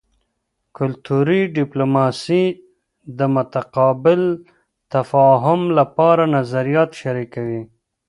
کلتوري ډیپلوماسي د متقابل تفاهم لپاره نظریات شریکوي